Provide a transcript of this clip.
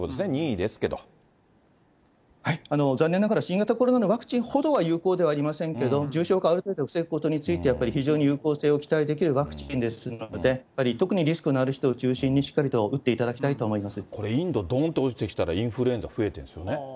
残念ながら、新型コロナのワクチンほどは有効ではありませんけど、重症化をある程度防ぐことについて、やっぱり非常に有効性を期待できるワクチンですので、やっぱり特にリスクのある人を中心にしっかりと打っていただきたこれ、インド、どんと落ちてきたらインフルエンザ増えてきてるのね。